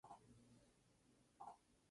Belo Corporation con el mismo nombre.